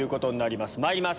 まいります